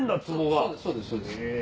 そうです。